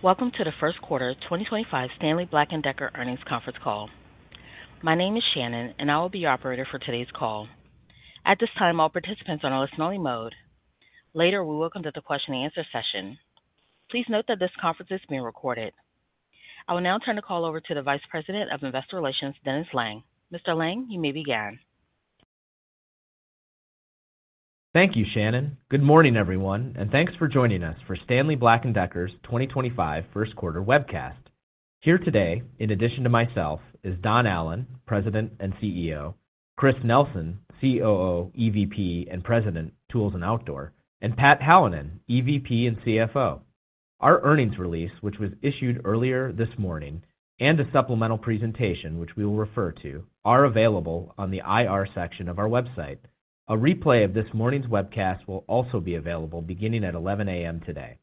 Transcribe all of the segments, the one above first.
Welcome to the First Quarter 2025 Stanley Black & Decker Earnings Conference Call. My name is Shannon, and I will be your operator for today's call. At this time, all participants are on a listen-only mode. Later, we will come to the question-and-answer session. Please note that this conference is being recorded. I will now turn the call over to the Vice President of Investor Relations, Dennis Lange. Mr. Lange, you may begin. Thank you, Shannon. Good morning, everyone, and thanks for joining us for Stanley Black & Decker's 2025 First Quarter webcast. Here today, in addition to myself, is Don Allan, President and CEO, Chris Nelson, COO, EVP and President, Tools and Outdoor, and Pat Hallinan, EVP and CFO. Our earnings release, which was issued earlier this morning, and a supplemental presentation, which we will refer to, are available on the IR section of our website. A replay of this morning's webcast will also be available beginning at 11:00 A.M. today.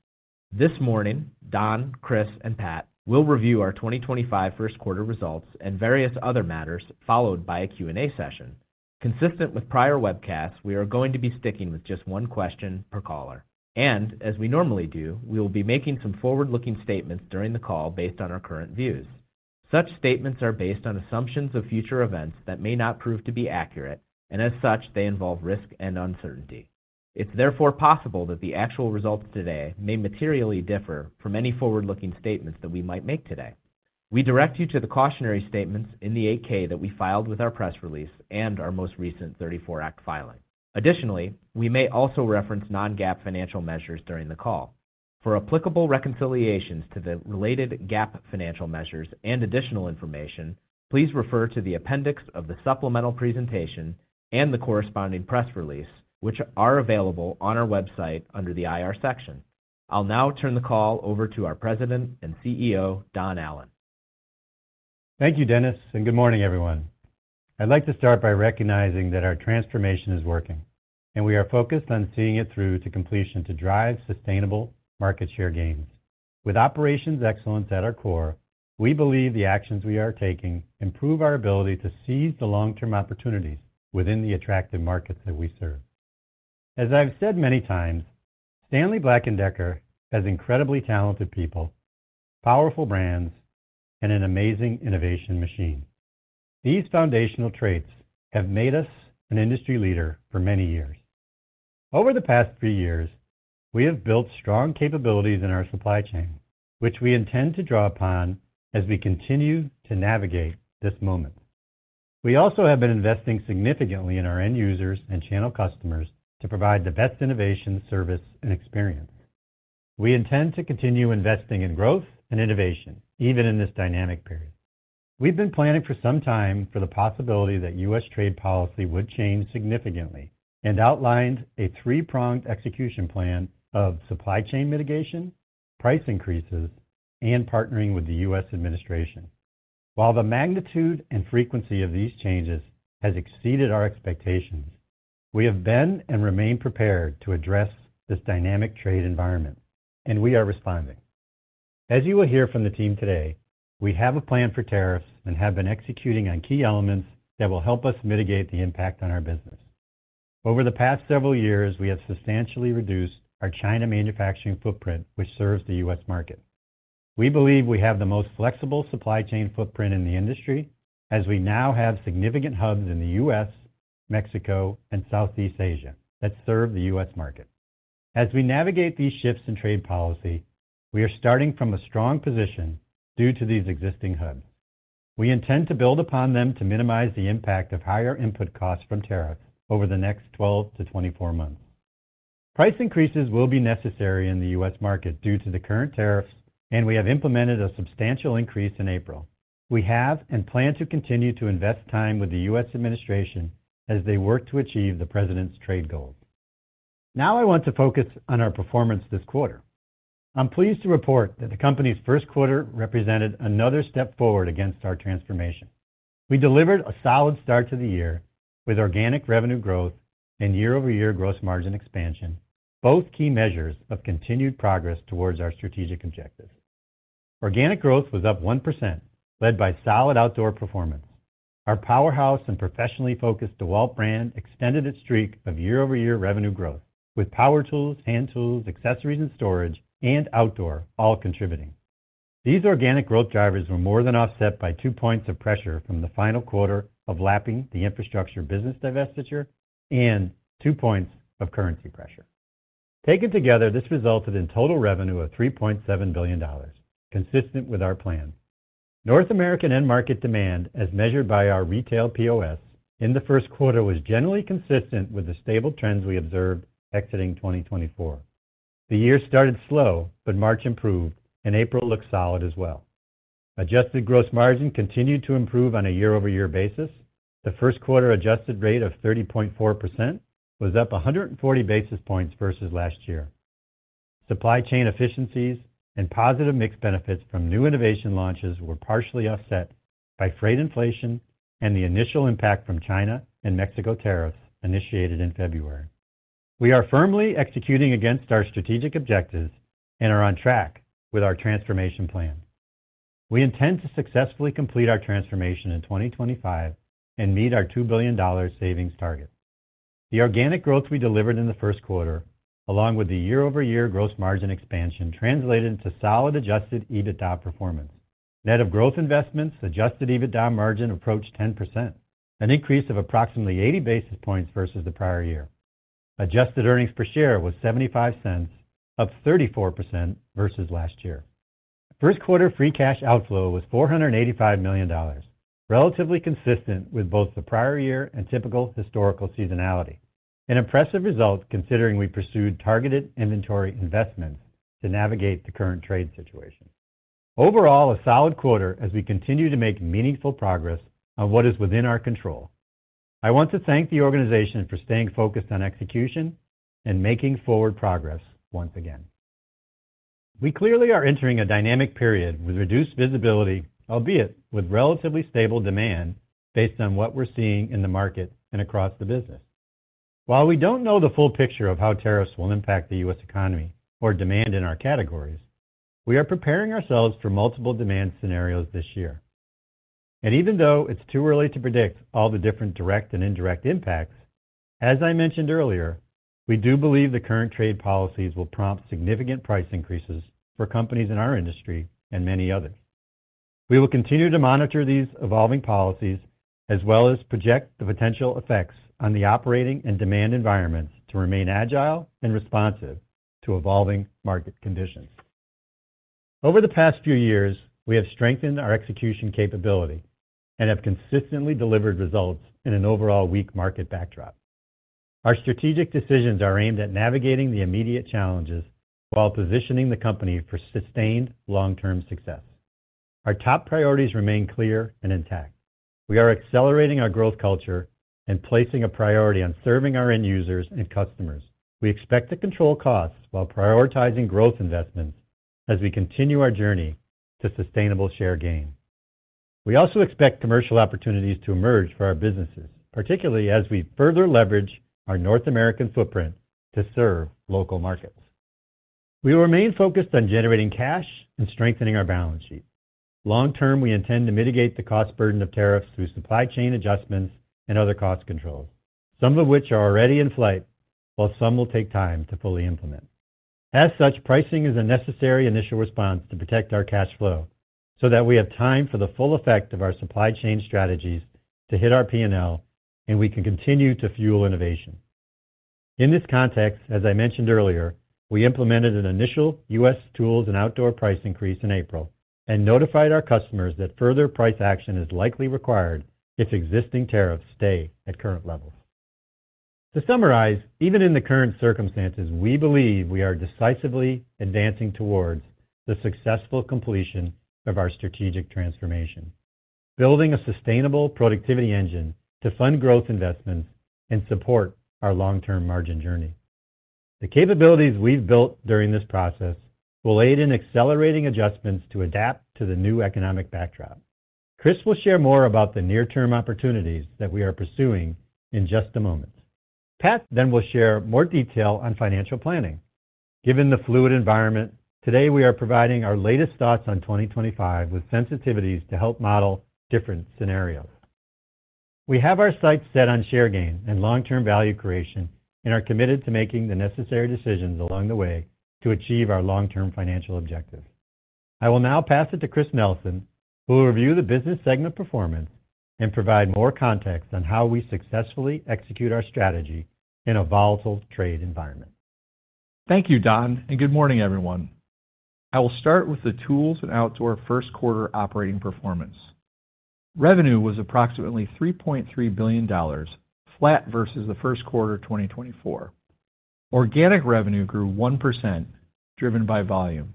This morning, Don, Chris, and Pat will review our 2025 first quarter results and various other matters, followed by a Q&A session. Consistent with prior webcasts, we are going to be sticking with just one question per caller. As we normally do, we will be making some forward-looking statements during the call based on our current views. Such statements are based on assumptions of future events that may not prove to be accurate, and as such, they involve risk and uncertainty. It's therefore possible that the actual results today may materially differ from any forward-looking statements that we might make today. We direct you to the cautionary statements in the 8-K that we filed with our press release and our most recent '34 Act filing. Additionally, we may also reference non-GAAP financial measures during the call. For applicable reconciliations to the related GAAP financial measures and additional information, please refer to the appendix of the supplemental presentation and the corresponding press release, which are available on our website under the IR section. I'll now turn the call over to our President and CEO, Don Allan. Thank you, Dennis, and good morning, everyone. I'd like to start by recognizing that our transformation is working, and we are focused on seeing it through to completion to drive sustainable market share gains. With operations excellence at our core, we believe the actions we are taking improve our ability to seize the long-term opportunities within the attractive markets that we serve. As I've said many times, Stanley Black & Decker has incredibly talented people, powerful brands, and an amazing innovation machine. These foundational traits have made us an industry leader for many years. Over the past three years, we have built strong capabilities in our supply chain, which we intend to draw upon as we continue to navigate this moment. We also have been investing significantly in our end users and channel customers to provide the best innovation service and experience. We intend to continue investing in growth and innovation, even in this dynamic period. We've been planning for some time for the possibility that U.S. trade policy would change significantly and outlined a three-pronged execution plan of supply chain mitigation, price increases, and partnering with the U.S. administration. While the magnitude and frequency of these changes has exceeded our expectations, we have been and remain prepared to address this dynamic trade environment, and we are responding. As you will hear from the team today, we have a plan for tariffs and have been executing on key elements that will help us mitigate the impact on our business. Over the past several years, we have substantially reduced our China manufacturing footprint, which serves the US market. We believe we have the most flexible supply chain footprint in the industry, as we now have significant hubs in the U.S., Mexico, and Southeast Asia that serve the U.S. market. As we navigate these shifts in trade policy, we are starting from a strong position due to these existing hubs. We intend to build upon them to minimize the impact of higher input costs from tariffs over the next 12-24 months. Price increases will be necessary in the US market due to the current tariffs, and we have implemented a substantial increase in April. We have and plan to continue to invest time with the U.S. administration as they work to achieve the President's trade goals. Now, I want to focus on our performance this quarter. I'm pleased to report that the company's first quarter represented another step forward against our transformation. We delivered a solid start to the year with organic revenue growth and year-over-year gross margin expansion, both key measures of continued progress towards our strategic objectives. Organic growth was up 1%, led by solid outdoor performance. Our powerhouse and professionally focused DeWalt brand extended its streak of year-over-year revenue growth with power tools, hand tools, accessories, and storage, and outdoor all contributing. These organic growth drivers were more than offset by two points of pressure from the final quarter of lapping the infrastructure business divestiture and two points of currency pressure. Taken together, this resulted in total revenue of $3.7 billion, consistent with our plan. North American end market demand, as measured by our retail POS in the first quarter, was generally consistent with the stable trends we observed exiting 2024. The year started slow, but March improved, and April looked solid as well. Adjusted gross margin continued to improve on a year-over-year basis. The first quarter adjusted rate of 30.4% was up 140 basis points versus last year. Supply chain efficiencies and positive mixed benefits from new innovation launches were partially offset by freight inflation and the initial impact from China and Mexico tariffs initiated in February. We are firmly executing against our strategic objectives and are on track with our transformation plan. We intend to successfully complete our transformation in 2025 and meet our $2 billion savings target. The organic growth we delivered in the first quarter, along with the year-over-year gross margin expansion, translated into solid adjusted EBITDA performance. Net of growth investments, adjusted EBITDA margin approached 10%, an increase of approximately 80 basis points versus the prior year. Adjusted earnings per share was $0.75, up 34% versus last year. First quarter free cash outflow was $485 million, relatively consistent with both the prior year and typical historical seasonality. An impressive result considering we pursued targeted inventory investments to navigate the current trade situation. Overall, a solid quarter as we continue to make meaningful progress on what is within our control. I want to thank the organization for staying focused on execution and making forward progress once again. We clearly are entering a dynamic period with reduced visibility, albeit with relatively stable demand based on what we're seeing in the market and across the business. While we don't know the full picture of how tariffs will impact the U.S. economy or demand in our categories, we are preparing ourselves for multiple demand scenarios this year. Even though it is too early to predict all the different direct and indirect impacts, as I mentioned earlier, we do believe the current trade policies will prompt significant price increases for companies in our industry and many others. We will continue to monitor these evolving policies as well as project the potential effects on the operating and demand environments to remain agile and responsive to evolving market conditions. Over the past few years, we have strengthened our execution capability and have consistently delivered results in an overall weak market backdrop. Our strategic decisions are aimed at navigating the immediate challenges while positioning the company for sustained long-term success. Our top priorities remain clear and intact. We are accelerating our growth culture and placing a priority on serving our end users and customers. We expect to control costs while prioritizing growth investments as we continue our journey to sustainable share gain. We also expect commercial opportunities to emerge for our businesses, particularly as we further leverage our North American footprint to serve local markets. We will remain focused on generating cash and strengthening our balance sheet. Long term, we intend to mitigate the cost burden of tariffs through supply chain adjustments and other cost controls, some of which are already in flight, while some will take time to fully implement. As such, pricing is a necessary initial response to protect our cash flow so that we have time for the full effect of our supply chain strategies to hit our P&L and we can continue to fuel innovation. In this context, as I mentioned earlier, we implemented an initial U.S. Tools and Outdoor price increase in April and notified our customers that further price action is likely required if existing tariffs stay at current levels. To summarize, even in the current circumstances, we believe we are decisively advancing towards the successful completion of our strategic transformation, building a sustainable productivity engine to fund growth investments and support our long-term margin journey. The capabilities we've built during this process will aid in accelerating adjustments to adapt to the new economic backdrop. Chris will share more about the near-term opportunities that we are pursuing in just a moment. Pat then will share more detail on financial planning. Given the fluid environment, today we are providing our latest thoughts on 2025 with sensitivities to help model different scenarios. We have our sights set on share gain and long-term value creation and are committed to making the necessary decisions along the way to achieve our long-term financial objectives. I will now pass it to Chris Nelson, who will review the business segment performance and provide more context on how we successfully execute our strategy in a volatile trade environment. Thank you, Don, and good morning, everyone. I will start with the Tools and Outdoor first quarter operating performance. Revenue was approximately $3.3 billion, flat versus the first quarter of 2024. Organic revenue grew 1%, driven by volume.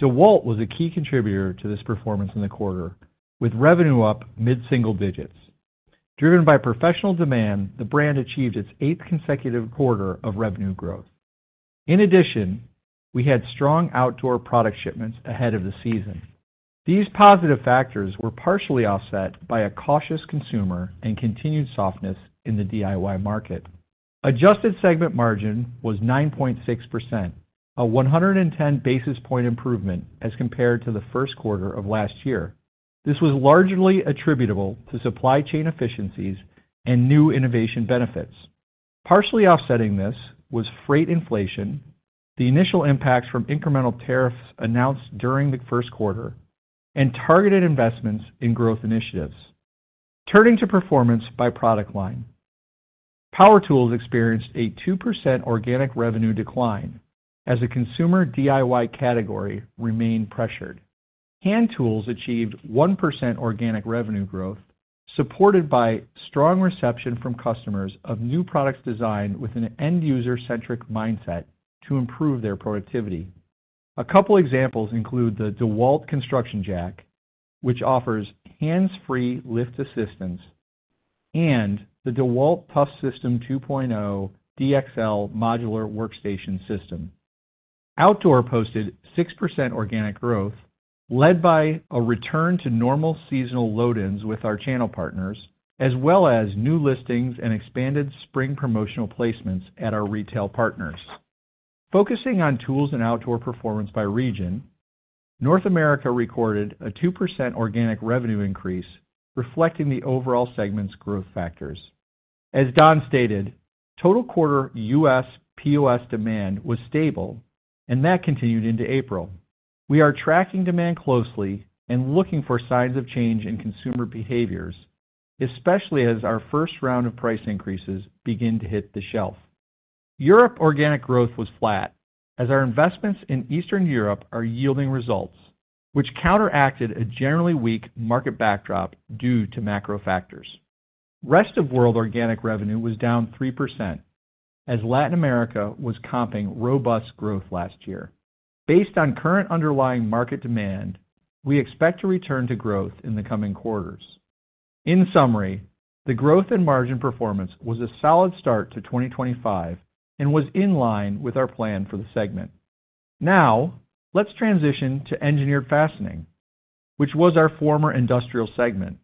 DeWalt was a key contributor to this performance in the quarter, with revenue up mid-single digits. Driven by professional demand, the brand achieved its eighth consecutive quarter of revenue growth. In addition, we had strong outdoor product shipments ahead of the season. These positive factors were partially offset by a cautious consumer and continued softness in the DIY market. Adjusted segment margin was 9.6%, a 110 basis point improvement as compared to the first quarter of last year. This was largely attributable to supply chain efficiencies and new innovation benefits. Partially offsetting this was freight inflation, the initial impacts from incremental tariffs announced during the first quarter, and targeted investments in growth initiatives. Turning to performance by product line, power tools experienced a 2% organic revenue decline as the consumer DIY category remained pressured. Hand tools achieved 1% organic revenue growth, supported by strong reception from customers of new products designed with an end user-centric mindset to improve their productivity. A couple of examples include the DeWalt construction jack, which offers hands-free lift assistance, and the DeWalt ToughSystem 2.0 DXL modular workstation system. Outdoor posted 6% organic growth, led by a return to normal seasonal load-ins with our channel partners, as well as new listings and expanded spring promotional placements at our retail partners. Focusing on Tools and Outdoor performance by region, North America recorded a 2% organic revenue increase, reflecting the overall segment's growth factors. As Don stated, total quarter U.S. POS demand was stable, and that continued into April. We are tracking demand closely and looking for signs of change in consumer behaviors, especially as our first round of price increases begin to hit the shelf. Europe organic growth was flat, as our investments in Eastern Europe are yielding results, which counteracted a generally weak market backdrop due to macro factors. Rest of World organic revenue was down 3%, as Latin America was comping robust growth last year. Based on current underlying market demand, we expect to return to growth in the coming quarters. In summary, the growth in margin performance was a solid start to 2025 and was in line with our plan for the segment. Now, let's transition to Engineered Fastening, which was our former industrial segment.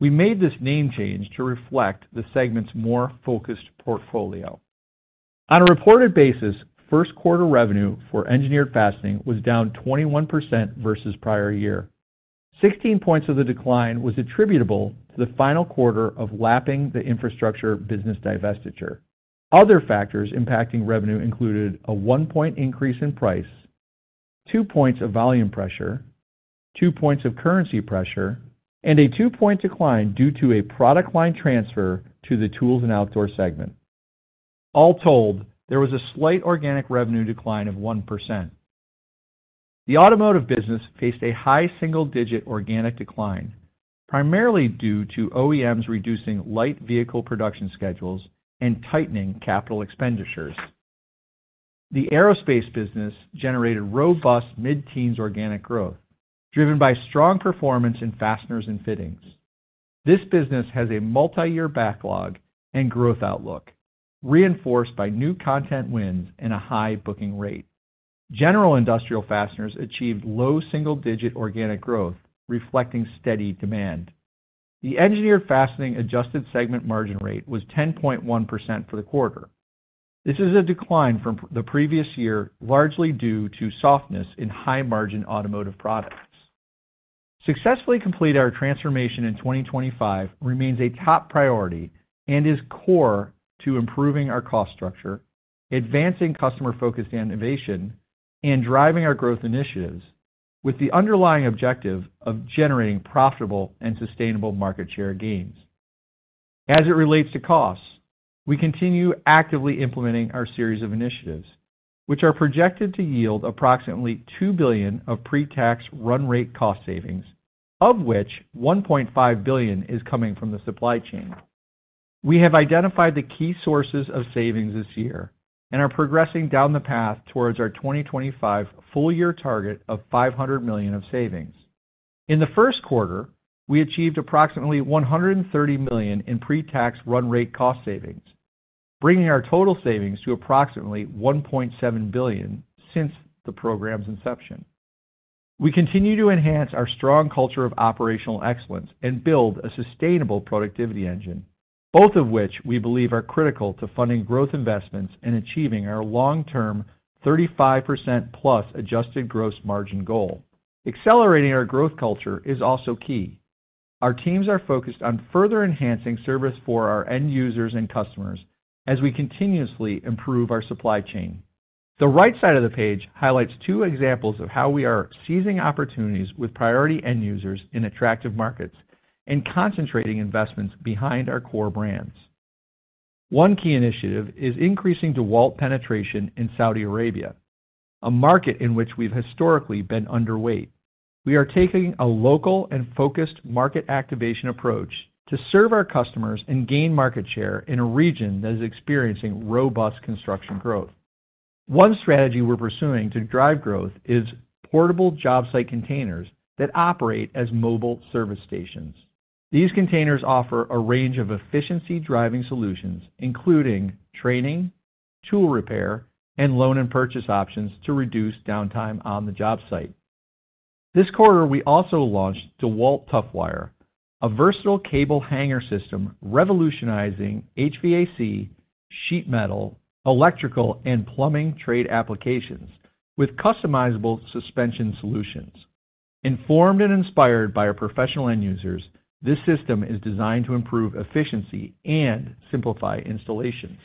We made this name change to reflect the segment's more focused portfolio. On a reported basis, first quarter revenue for Engineered Fastening was down 21% versus prior year. Sixteen points of the decline was attributable to the final quarter of lapping the infrastructure business divestiture. Other factors impacting revenue included a one-point increase in price, two points of volume pressure, two points of currency pressure, and a two-point decline due to a product line transfer to the Tools and Outdoor segment. All told, there was a slight organic revenue decline of 1%. The automotive business faced a high single-digit organic decline, primarily due to OEMs reducing light vehicle production schedules and tightening capital expenditures. The aerospace business generated robust mid-teens organic growth, driven by strong performance in fasteners and fittings. This business has a multi-year backlog and growth outlook, reinforced by new content wins and a high booking rate. General industrial fasteners achieved low single-digit organic growth, reflecting steady demand. The Engineered Fastening adjusted segment margin rate was 10.1% for the quarter. This is a decline from the previous year, largely due to softness in high-margin automotive products. Successfully complete our transformation in 2025 remains a top priority and is core to improving our cost structure, advancing customer-focused innovation, and driving our growth initiatives with the underlying objective of generating profitable and sustainable market share gains. As it relates to costs, we continue actively implementing our series of initiatives, which are projected to yield approximately $2 billion of pre-tax run rate cost savings, of which $1.5 billion is coming from the supply chain. We have identified the key sources of savings this year and are progressing down the path towards our 2025 full-year target of $500 million of savings. In the first quarter, we achieved approximately $130 million in pre-tax run rate cost savings, bringing our total savings to approximately $1.7 billion since the program's inception. We continue to enhance our strong culture of operational excellence and build a sustainable productivity engine, both of which we believe are critical to funding growth investments and achieving our long-term 35% plus adjusted gross margin goal. Accelerating our growth culture is also key. Our teams are focused on further enhancing service for our end users and customers as we continuously improve our supply chain. The right side of the page highlights two examples of how we are seizing opportunities with priority end users in attractive markets and concentrating investments behind our core brands. One key initiative is increasing DeWalt penetration in Saudi Arabia, a market in which we've historically been underweight. We are taking a local and focused market activation approach to serve our customers and gain market share in a region that is experiencing robust construction growth. One strategy we're pursuing to drive growth is portable job site containers that operate as mobile service stations. These containers offer a range of efficiency-driving solutions, including training, tool repair, and loan and purchase options to reduce downtime on the job site. This quarter, we also launched DeWalt ToughWire, a versatile cable hanger system revolutionizing HVAC, sheet metal, electrical, and plumbing trade applications with customizable suspension solutions. Informed and inspired by our professional end users, this system is designed to improve efficiency and simplify installations.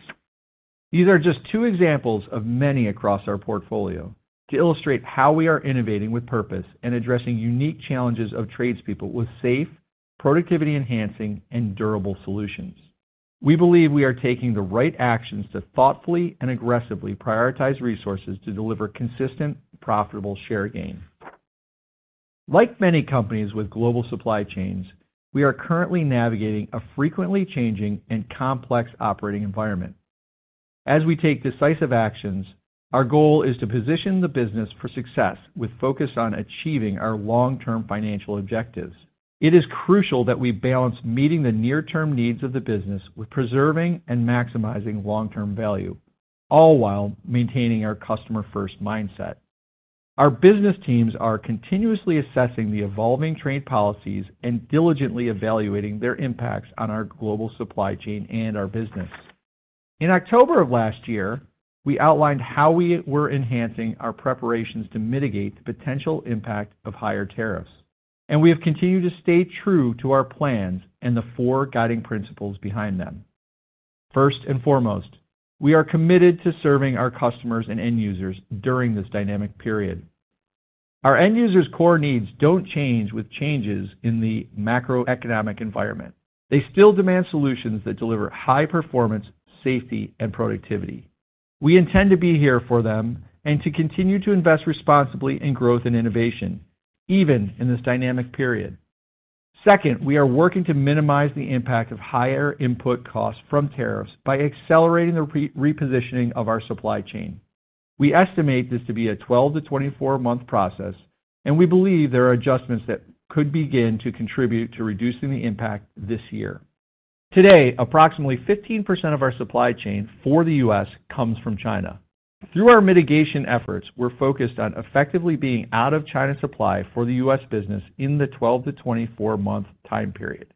These are just two examples of many across our portfolio to illustrate how we are innovating with purpose and addressing unique challenges of tradespeople with safe, productivity-enhancing, and durable solutions. We believe we are taking the right actions to thoughtfully and aggressively prioritize resources to deliver consistent, profitable share gain. Like many companies with global supply chains, we are currently navigating a frequently changing and complex operating environment. As we take decisive actions, our goal is to position the business for success with focus on achieving our long-term financial objectives. It is crucial that we balance meeting the near-term needs of the business with preserving and maximizing long-term value, all while maintaining our customer-first mindset. Our business teams are continuously assessing the evolving trade policies and diligently evaluating their impacts on our global supply chain and our business. In October of last year, we outlined how we were enhancing our preparations to mitigate the potential impact of higher tariffs, and we have continued to stay true to our plans and the four guiding principles behind them. First and foremost, we are committed to serving our customers and end users during this dynamic period. Our end users' core needs do not change with changes in the macroeconomic environment. They still demand solutions that deliver high performance, safety, and productivity. We intend to be here for them and to continue to invest responsibly in growth and innovation, even in this dynamic period. Second, we are working to minimize the impact of higher input costs from tariffs by accelerating the repositioning of our supply chain. We estimate this to be a 12-24 month process, and we believe there are adjustments that could begin to contribute to reducing the impact this year. Today, approximately 15% of our supply chain for the U.S. comes from China. Through our mitigation efforts, we are focused on effectively being out of China supply for the U.S. business in the 12-24 month time period.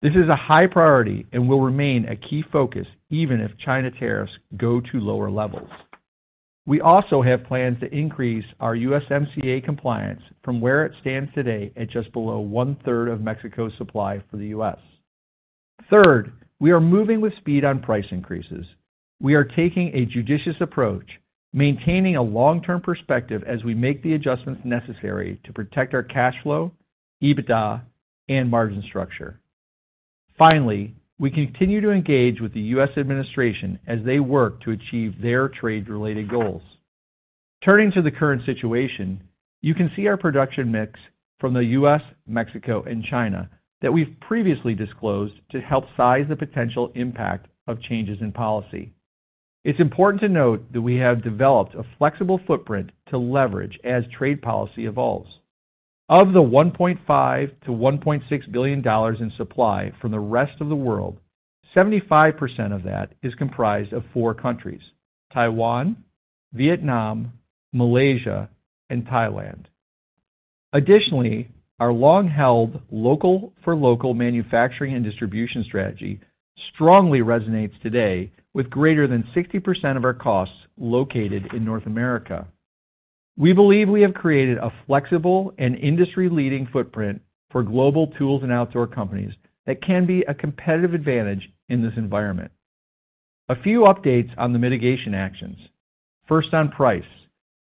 This is a high priority and will remain a key focus even if China tariffs go to lower levels. We also have plans to increase our USMCA compliance from where it stands today at just below one-third of Mexico's supply for the U.S. Third, we are moving with speed on price increases. We are taking a judicious approach, maintaining a long-term perspective as we make the adjustments necessary to protect our cash flow, EBITDA, and margin structure. Finally, we continue to engage with the U.S. administration as they work to achieve their trade-related goals. Turning to the current situation, you can see our production mix from the U.S., Mexico, and China that we've previously disclosed to help size the potential impact of changes in policy. It's important to note that we have developed a flexible footprint to leverage as trade policy evolves. Of the $1.5 billion-$1.6 billion in supply from the rest of the world, 75% of that is comprised of four countries: Taiwan, Vietnam, Malaysia, and Thailand. Additionally, our long-held local-for-local manufacturing and distribution strategy strongly resonates today with greater than 60% of our costs located in North America. We believe we have created a flexible and industry-leading footprint for global Tools and Outdoor companies that can be a competitive advantage in this environment. A few updates on the mitigation actions. First, on price.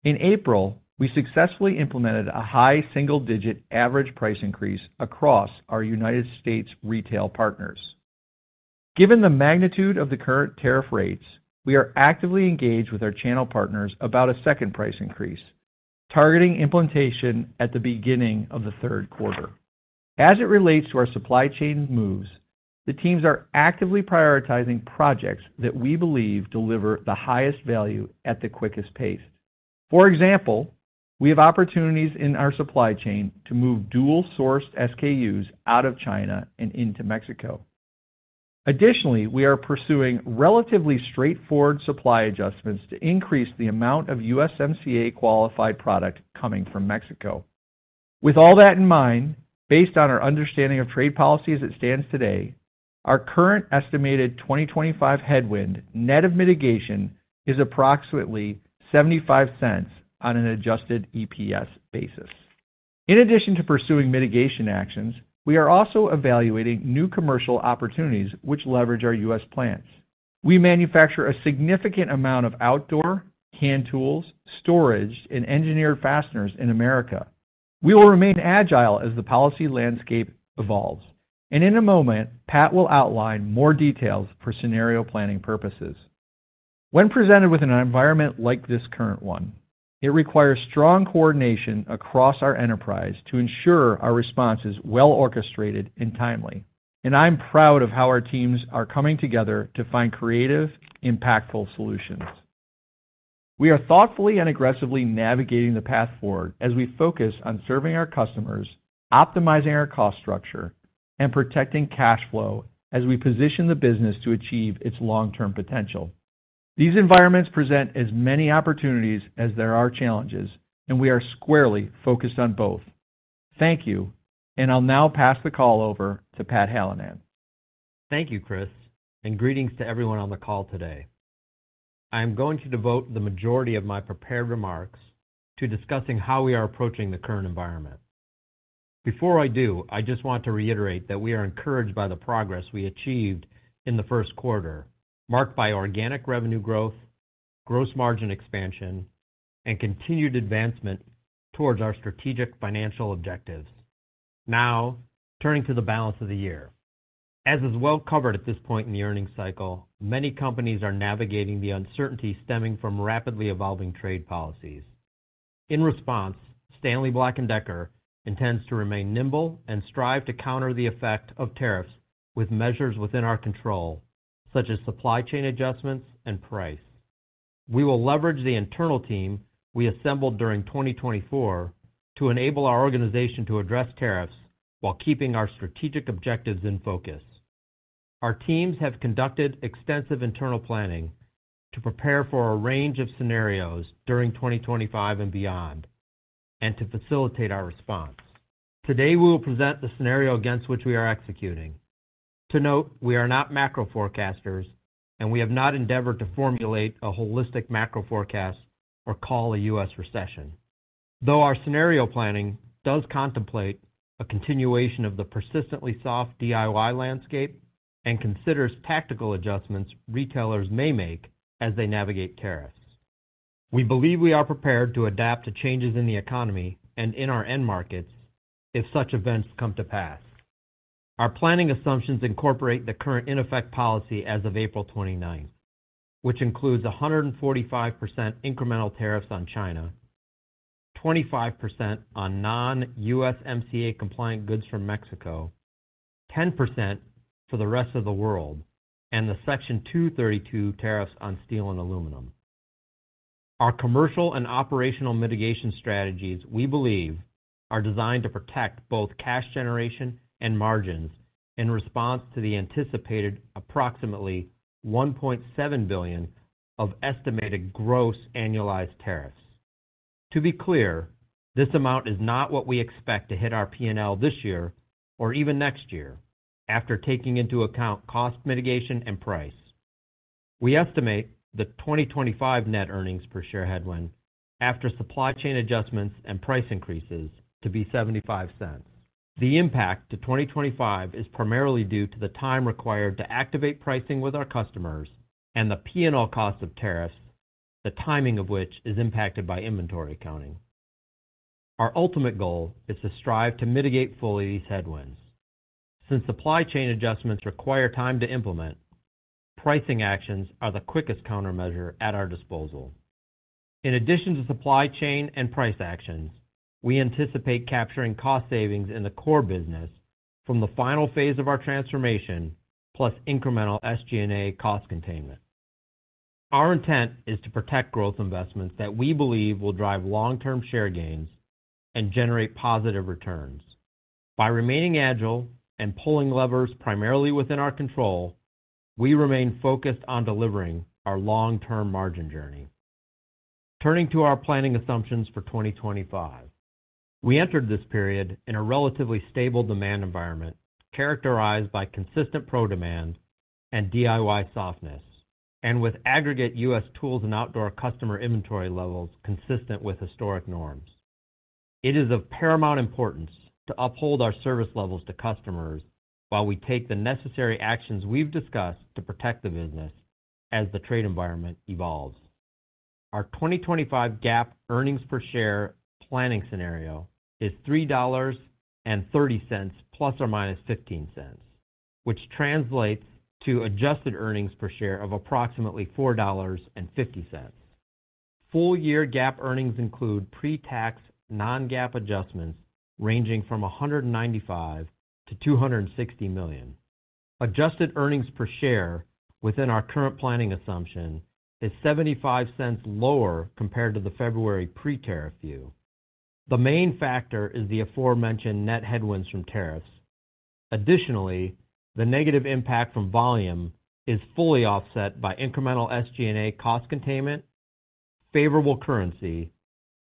In April, we successfully implemented a high single-digit average price increase across our United States retail partners. Given the magnitude of the current tariff rates, we are actively engaged with our channel partners about a second price increase, targeting implementation at the beginning of the third quarter. As it relates to our supply chain moves, the teams are actively prioritizing projects that we believe deliver the highest value at the quickest pace. For example, we have opportunities in our supply chain to move dual-sourced SKUs out of China and into Mexico. Additionally, we are pursuing relatively straightforward supply adjustments to increase the amount of USMCA-qualified product coming from Mexico. With all that in mind, based on our understanding of trade policy as it stands today, our current estimated 2025 headwind net of mitigation is approximately $0.75 on an adjusted EPS basis. In addition to pursuing mitigation actions, we are also evaluating new commercial opportunities which leverage our U.S. plants. We manufacture a significant amount of outdoor, hand tools, storage, and engineered fasteners in America. We will remain agile as the policy landscape evolves, and in a moment, Pat will outline more details for scenario planning purposes. When presented with an environment like this current one, it requires strong coordination across our enterprise to ensure our response is well-orchestrated and timely, and I'm proud of how our teams are coming together to find creative, impactful solutions. We are thoughtfully and aggressively navigating the path forward as we focus on serving our customers, optimizing our cost structure, and protecting cash flow as we position the business to achieve its long-term potential. These environments present as many opportunities as there are challenges, and we are squarely focused on both. Thank you, and I'll now pass the call over to Pat Hallinan. Thank you, Chris, and greetings to everyone on the call today. I am going to devote the majority of my prepared remarks to discussing how we are approaching the current environment. Before I do, I just want to reiterate that we are encouraged by the progress we achieved in the first quarter, marked by organic revenue growth, gross margin expansion, and continued advancement towards our strategic financial objectives. Now, turning to the balance of the year. As is well covered at this point in the earnings cycle, many companies are navigating the uncertainty stemming from rapidly evolving trade policies. In response, Stanley Black & Decker intends to remain nimble and strive to counter the effect of tariffs with measures within our control, such as supply chain adjustments and price. We will leverage the internal team we assembled during 2024 to enable our organization to address tariffs while keeping our strategic objectives in focus. Our teams have conducted extensive internal planning to prepare for a range of scenarios during 2025 and beyond and to facilitate our response. Today, we will present the scenario against which we are executing. To note, we are not macro forecasters, and we have not endeavored to formulate a holistic macro forecast or call a U.S. recession. Though our scenario planning does contemplate a continuation of the persistently soft DIY landscape and considers tactical adjustments retailers may make as they navigate tariffs, we believe we are prepared to adapt to changes in the economy and in our end markets if such events come to pass. Our planning assumptions incorporate the current in effect policy as of April 29, which includes 145% incremental tariffs on China, 25% on non-USMCA compliant goods from Mexico, 10% for the rest of the world, and the Section 232 tariffs on steel and aluminum. Our commercial and operational mitigation strategies, we believe, are designed to protect both cash generation and margins in response to the anticipated approximately $1.7 billion of estimated gross annualized tariffs. To be clear, this amount is not what we expect to hit our P&L this year or even next year after taking into account cost mitigation and price. We estimate the 2025 net earnings per share headwind after supply chain adjustments and price increases to be $0.75. The impact to 2025 is primarily due to the time required to activate pricing with our customers and the P&L cost of tariffs, the timing of which is impacted by inventory accounting. Our ultimate goal is to strive to mitigate fully these headwinds. Since supply chain adjustments require time to implement, pricing actions are the quickest countermeasure at our disposal. In addition to supply chain and price actions, we anticipate capturing cost savings in the core business from the final phase of our transformation, plus incremental SG&A cost containment. Our intent is to protect growth investments that we believe will drive long-term share gains and generate positive returns. By remaining agile and pulling levers primarily within our control, we remain focused on delivering our long-term margin journey. Turning to our planning assumptions for 2025, we entered this period in a relatively stable demand environment characterized by consistent pro-demand and DIY softness, and with aggregate U.S. Tools and Outdoor customer inventory levels consistent with historic norms. It is of paramount importance to uphold our service levels to customers while we take the necessary actions we've discussed to protect the business as the trade environment evolves. Our 2025 GAAP earnings per share planning scenario is $3.30 plus or minus $0.15, which translates to adjusted earnings per share of approximately $4.50. Full year GAAP earnings include pre-tax non-GAAP adjustments ranging from $195 million-$260 million. Adjusted earnings per share within our current planning assumption is $0.75 lower compared to the February pre-tariff view. The main factor is the aforementioned net headwinds from tariffs. Additionally, the negative impact from volume is fully offset by incremental SG&A cost containment, favorable currency,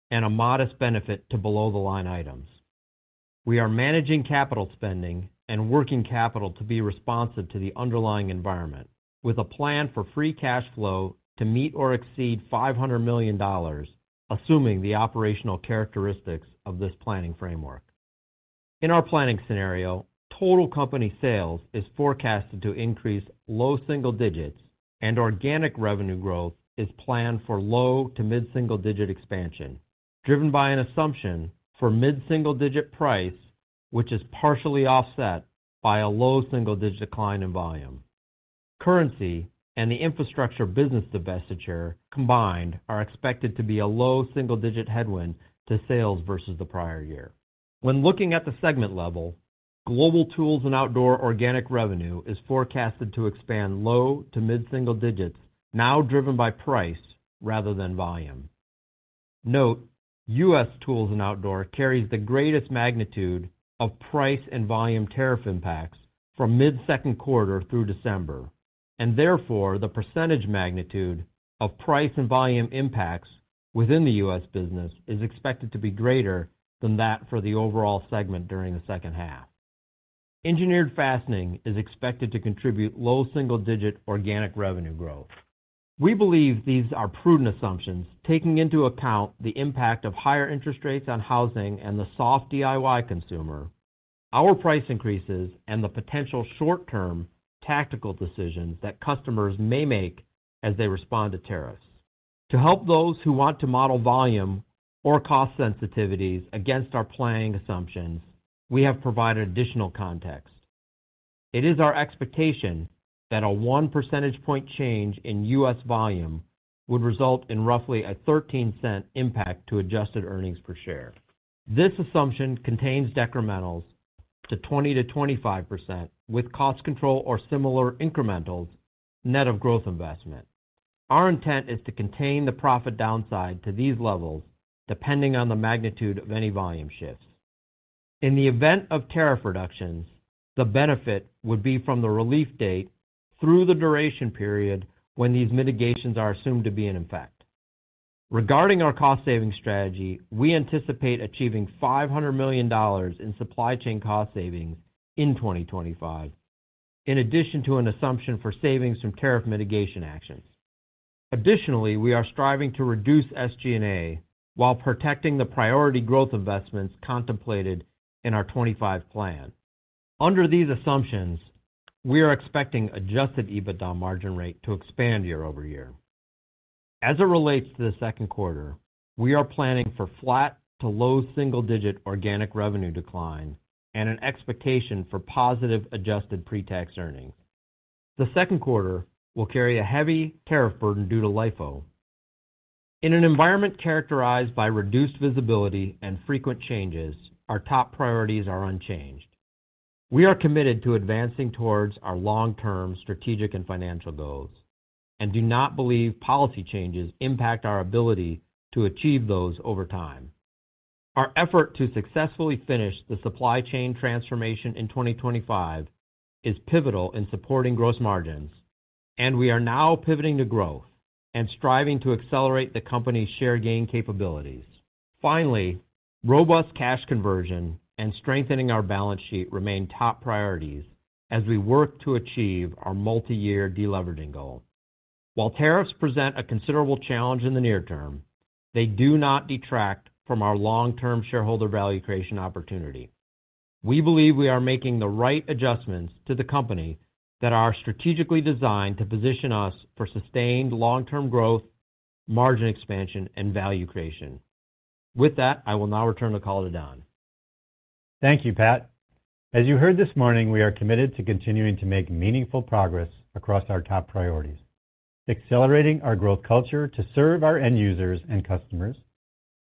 and a modest benefit to below-the-line items. We are managing capital spending and working capital to be responsive to the underlying environment, with a plan for free cash flow to meet or exceed $500 million, assuming the operational characteristics of this planning framework. In our planning scenario, total company sales is forecasted to increase low single digits, and organic revenue growth is planned for low to mid-single digit expansion, driven by an assumption for mid-single digit price, which is partially offset by a low single digit decline in volume. Currency and the infrastructure business divestiture combined are expected to be a low single digit headwind to sales versus the prior year. When looking at the segment level, global Tools and Outdoor organic revenue is forecasted to expand low to mid-single digits, now driven by price rather than volume. Note, U.S. Tools and Outdoor carries the greatest magnitude of price and volume tariff impacts from mid-second quarter through December, and therefore the percentage magnitude of price and volume impacts within the U.S. business is expected to be greater than that for the overall segment during the second half. Engineered Fastening is expected to contribute low single digit organic revenue growth. We believe these are prudent assumptions taking into account the impact of higher interest rates on housing and the soft DIY consumer, our price increases, and the potential short-term tactical decisions that customers may make as they respond to tariffs. To help those who want to model volume or cost sensitivities against our planning assumptions, we have provided additional context. It is our expectation that a one percentage point change in U.S. volume would result in roughly a $0.13 impact to adjusted earnings per share. This assumption contains decrementals to 20%-25% with cost control or similar incrementals net of growth investment. Our intent is to contain the profit downside to these levels depending on the magnitude of any volume shifts. In the event of tariff reductions, the benefit would be from the relief date through the duration period when these mitigations are assumed to be in effect. Regarding our cost savings strategy, we anticipate achieving $500 million in supply chain cost savings in 2025, in addition to an assumption for savings from tariff mitigation actions. Additionally, we are striving to reduce SG&A while protecting the priority growth investments contemplated in our 2025 plan. Under these assumptions, we are expecting adjusted EBITDA margin rate to expand year over year. As it relates to the second quarter, we are planning for flat to low single digit organic revenue decline and an expectation for positive adjusted pre-tax earnings. The second quarter will carry a heavy tariff burden due to LIFO. In an environment characterized by reduced visibility and frequent changes, our top priorities are unchanged. We are committed to advancing towards our long-term strategic and financial goals and do not believe policy changes impact our ability to achieve those over time. Our effort to successfully finish the supply chain transformation in 2025 is pivotal in supporting gross margins, and we are now pivoting to growth and striving to accelerate the company's share gain capabilities. Finally, robust cash conversion and strengthening our balance sheet remain top priorities as we work to achieve our multi-year deleveraging goal. While tariffs present a considerable challenge in the near term, they do not detract from our long-term shareholder value creation opportunity. We believe we are making the right adjustments to the company that are strategically designed to position us for sustained long-term growth, margin expansion, and value creation. With that, I will now return the call to Don. Thank you, Pat. As you heard this morning, we are committed to continuing to make meaningful progress across our top priorities, accelerating our growth culture to serve our end users and customers,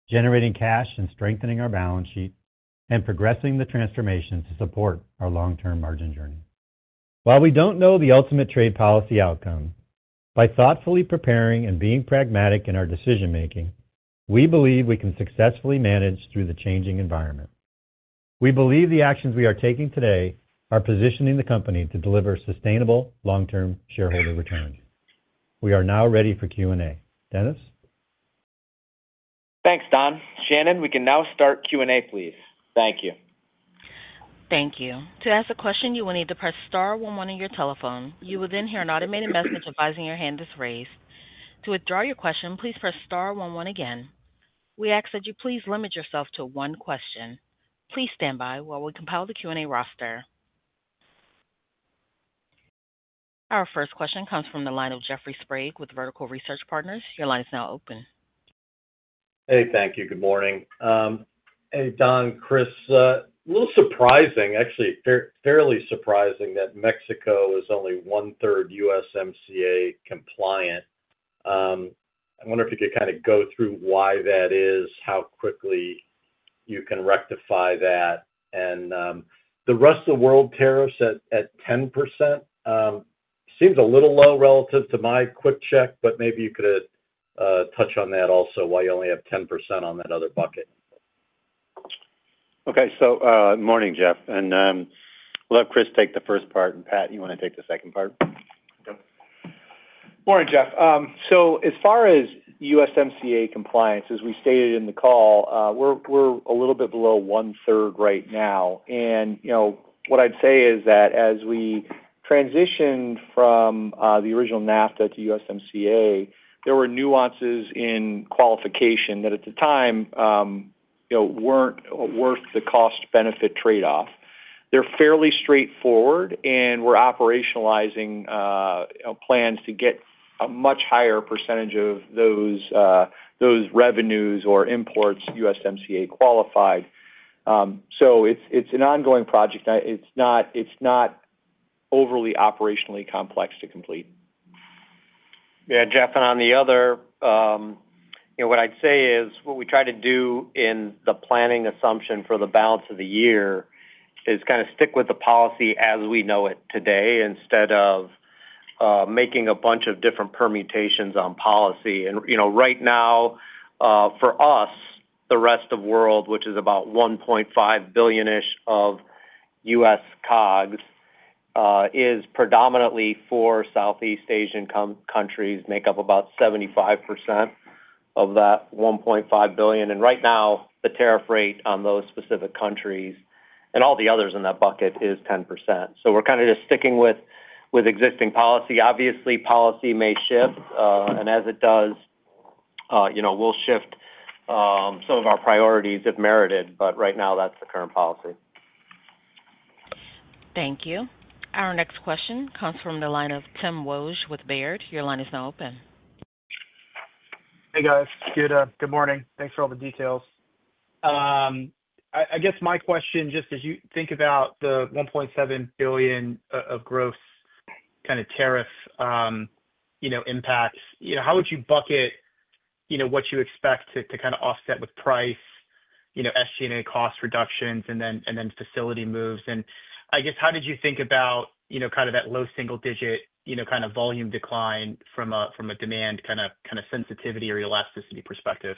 generating cash and strengthening our balance sheet, and progressing the transformation to support our long-term margin journey. While we do not know the ultimate trade policy outcome, by thoughtfully preparing and being pragmatic in our decision-making, we believe we can successfully manage through the changing environment. We believe the actions we are taking today are positioning the company to deliver sustainable long-term shareholder returns. We are now ready for Q&A. Dennis? Thanks, Don. Shannon, we can now start Q&A, please. Thank you. Thank you. To ask a question, you will need to press star 11 on your telephone. You will then hear an automated message advising your hand is raised. To withdraw your question, please press star 11 again. We ask that you please limit yourself to one question. Please stand by while we compile the Q&A roster. Our first question comes from the line of Jeffrey Sprague with Vertical Research Partners. Your line is now open. Hey, thank you. Good morning. Hey, Don, Chris, a little surprising, actually fairly surprising that Mexico is only one-third USMCA compliant. I wonder if you could kind of go through why that is, how quickly you can rectify that. The rest of the world tariffs at 10% seems a little low relative to my quick check, but maybe you could touch on that also, why you only have 10% on that other bucket. Good morning, Jeff. We will have Chris take the first part, and Pat, you want to take the second part? Yep. Morning, Jeff. As far as USMCA compliance, as we stated in the call, we're a little bit below one-third right now. What I'd say is that as we transitioned from the original NAFTA to USMCA, there were nuances in qualification that at the time weren't worth the cost-benefit trade-off. They're fairly straightforward, and we're operationalizing plans to get a much higher percentage of those revenues or imports USMCA qualified. It's an ongoing project. It's not overly operationally complex to complete. Yeah, Jeff, on the other, what I'd say is what we try to do in the planning assumption for the balance of the year is kind of stick with the policy as we know it today instead of making a bunch of different permutations on policy. Right now, for us, the rest of the world, which is about $1.5 billion-ish of U.S. COGS, is predominantly for Southeast Asian countries, makes up about 75% of that $1.5 billion. Right now, the tariff rate on those specific countries and all the others in that bucket is 10%. We are kind of just sticking with existing policy. Obviously, policy may shift, and as it does, we will shift some of our priorities if merited, but right now, that is the current policy. Thank you. Our next question comes from the line of Tim Wojs with Baird. Your line is now open. Hey, guys. Good morning. Thanks for all the details. I guess my question, just as you think about the $1.7 billion of gross kind of tariff impacts, how would you bucket what you expect to kind of offset with price, SG&A cost reductions, and then facility moves? I guess, how did you think about kind of that low single digit kind of volume decline from a demand kind of sensitivity or elasticity perspective?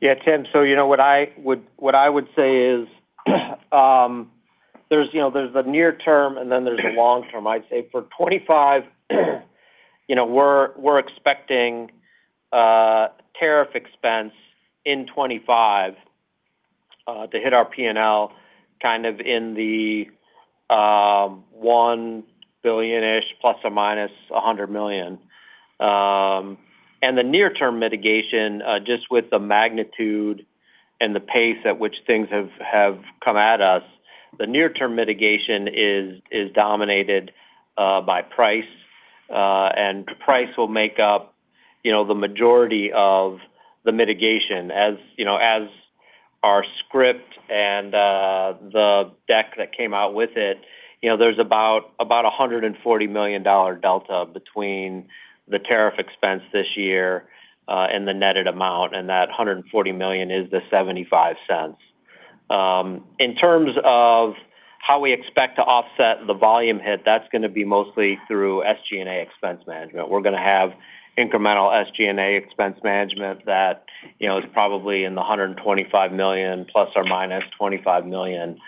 Yeah, Tim, what I would say is there's the near term, and then there's the long term. I'd say for 2025, we're expecting tariff expense in 2025 to hit our P&L kind of in the $1 billion-ish plus or minus $100 million. The near-term mitigation, just with the magnitude and the pace at which things have come at us, the near-term mitigation is dominated by price, and price will make up the majority of the mitigation. As our script and the deck that came out with it, there's about a $140 million delta between the tariff expense this year and the netted amount, and that $140 million is the $0.75. In terms of how we expect to offset the volume hit, that's going to be mostly through SG&A expense management. We're going to have incremental SG&A expense management that is probably in the $125 million plus or minus $25 million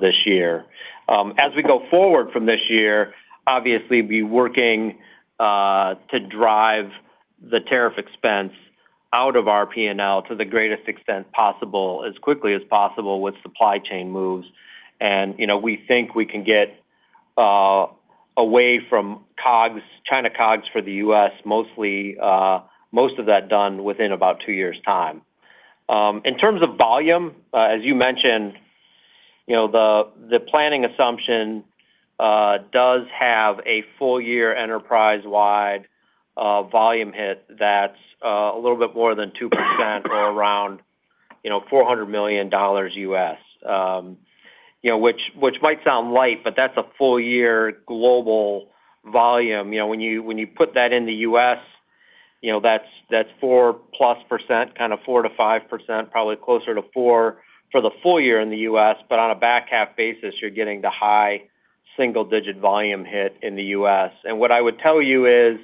this year. As we go forward from this year, obviously, we'll be working to drive the tariff expense out of our P&L to the greatest extent possible as quickly as possible with supply chain moves. We think we can get away from China COGS for the U.S., most of that done within about two years' time. In terms of volume, as you mentioned, the planning assumption does have a full-year enterprise-wide volume hit that's a little bit more than 2% or around $400 million, which might sound light, but that's a full-year global volume. When you put that in the U.S., that's 4+%, kind of 4-5%, probably closer to 4% for the full year in the U.S., but on a back half basis, you're getting the high single-digit volume hit in the U.S. What I would tell you is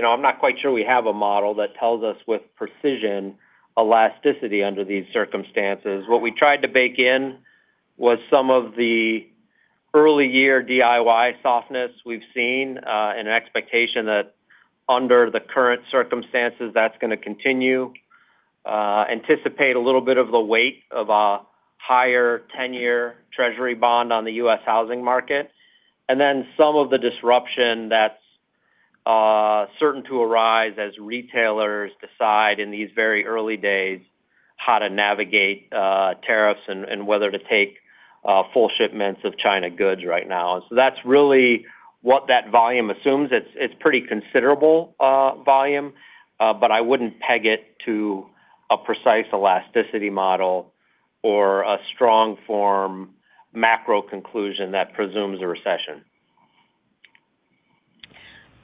I'm not quite sure we have a model that tells us with precision elasticity under these circumstances. What we tried to bake in was some of the early-year DIY softness we've seen and expectation that under the current circumstances, that's going to continue, anticipate a little bit of the weight of a higher 10-year Treasury bond on the U.S. housing market, and then some of the disruption that's certain to arise as retailers decide in these very early days how to navigate tariffs and whether to take full shipments of China goods right now. That's really what that volume assumes. It's pretty considerable volume, but I wouldn't peg it to a precise elasticity model or a strong-form macro conclusion that presumes a recession.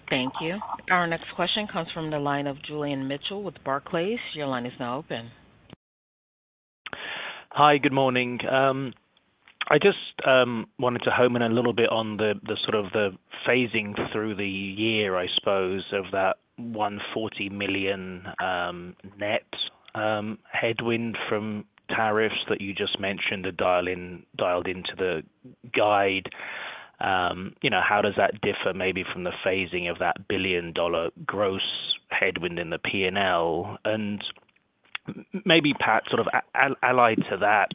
Thank you. Our next question comes from the line of Julian Mitchell with Barclays. Your line is now open. Hi, good morning. I just wanted to hone in a little bit on the sort of the phasing through the year, I suppose, of that $140 million net headwind from tariffs that you just mentioned are dialed into the guide. How does that differ maybe from the phasing of that $1 billion gross headwind in the P&L? And maybe, Pat, sort of allied to that,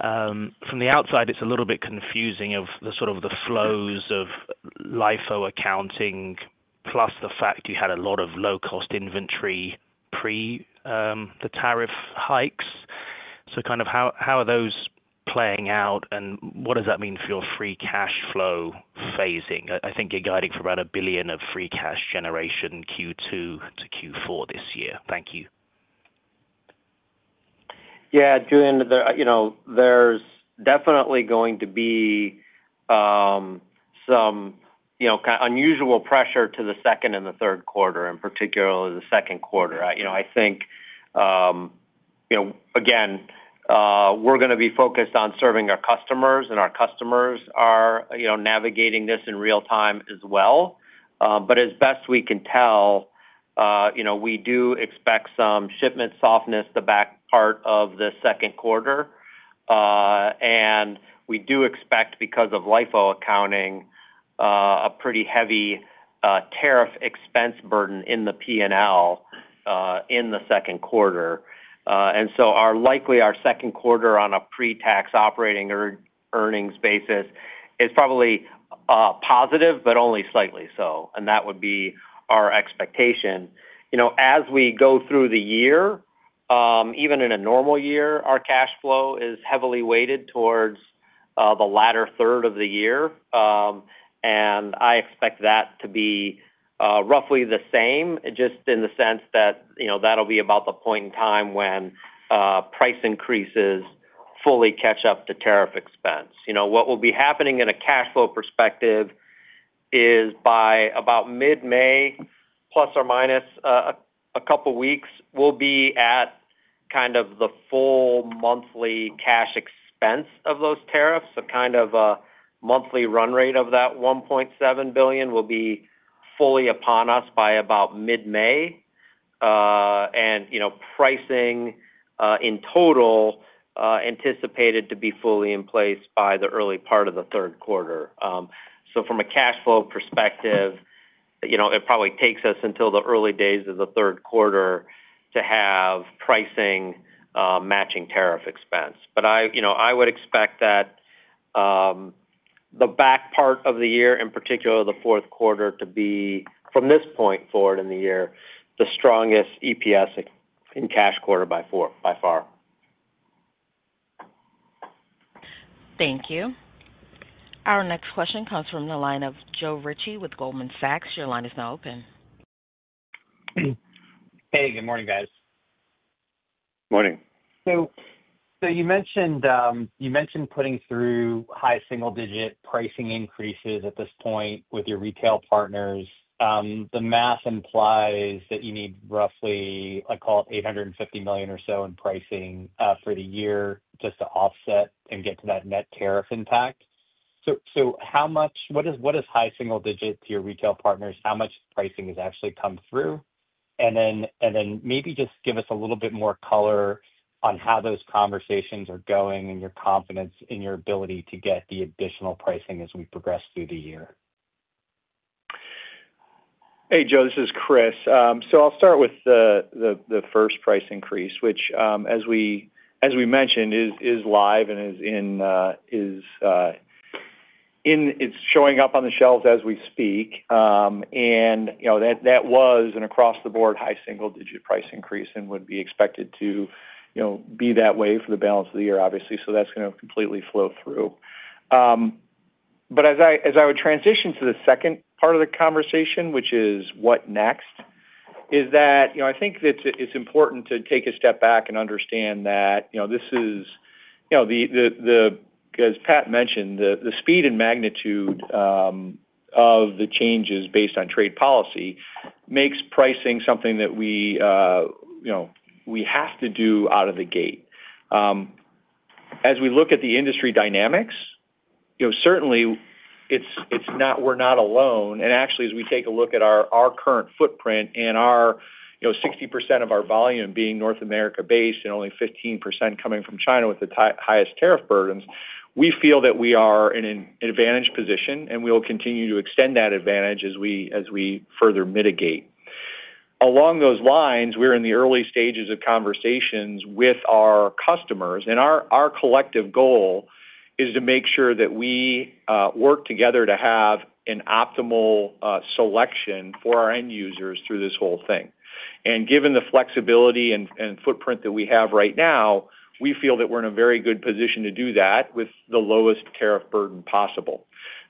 from the outside, it's a little bit confusing of the sort of the flows of LIFO accounting plus the fact you had a lot of low-cost inventory pre the tariff hikes. Kind of how are those playing out, and what does that mean for your free cash flow phasing? I think you're guiding for about $1 billion of free cash generation Q2 to Q4 this year. Thank you. Yeah, Julian, there's definitely going to be some kind of unusual pressure to the second and the third quarter, and particularly the second quarter. I think, again, we're going to be focused on serving our customers, and our customers are navigating this in real time as well. As best we can tell, we do expect some shipment softness the back part of the second quarter. We do expect, because of LIFO accounting, a pretty heavy tariff expense burden in the P&L in the second quarter. Likely our second quarter on a pre-tax operating or earnings basis is probably positive, but only slightly so. That would be our expectation. As we go through the year, even in a normal year, our cash flow is heavily weighted towards the latter third of the year. I expect that to be roughly the same, just in the sense that that will be about the point in time when price increases fully catch up to tariff expense. What will be happening from a cash flow perspective is by about mid-May, plus or minus a couple of weeks, we will be at kind of the full monthly cash expense of those tariffs. So kind of a monthly run rate of that $1.7 billion will be fully upon us by about mid-May. Pricing in total is anticipated to be fully in place by the early part of the third quarter. From a cash flow perspective, it probably takes us until the early days of the third quarter to have pricing matching tariff expense. I would expect that the back part of the year, in particular the fourth quarter, to be, from this point forward in the year, the strongest EPS in cash quarter by far. Thank you. Our next question comes from the line of Joe Ritchie with Goldman Sachs. Your line is now open. Hey, good morning, guys. Morning. You mentioned putting through high single-digit pricing increases at this point with your retail partners. The math implies that you need roughly, I call it $850 million or so in pricing for the year just to offset and get to that net tariff impact. What does high single digit to your retail partners, how much pricing has actually come through? Maybe just give us a little bit more color on how those conversations are going and your confidence in your ability to get the additional pricing as we progress through the year. Hey, Joe, this is Chris. I'll start with the first price increase, which, as we mentioned, is live and is showing up on the shelves as we speak. That was an across-the-board high single-digit price increase and would be expected to be that way for the balance of the year, obviously. That is going to completely flow through. As I would transition to the second part of the conversation, which is what next, I think it's important to take a step back and understand that this is, as Pat mentioned, the speed and magnitude of the changes based on trade policy makes pricing something that we have to do out of the gate. As we look at the industry dynamics, certainly, we're not alone. Actually, as we take a look at our current footprint and 60% of our volume being North America-based and only 15% coming from China with the highest tariff burdens, we feel that we are in an advantage position, and we will continue to extend that advantage as we further mitigate. Along those lines, we're in the early stages of conversations with our customers. Our collective goal is to make sure that we work together to have an optimal selection for our end users through this whole thing. Given the flexibility and footprint that we have right now, we feel that we're in a very good position to do that with the lowest tariff burden possible.